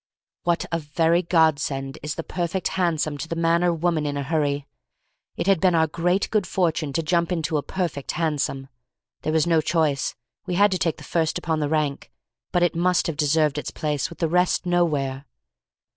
What a very godsend is the perfect hansom to the man or woman in a hurry! It had been our great good fortune to jump into a perfect hansom; there was no choice, we had to take the first upon the rank, but it must have deserved its place with the rest nowhere.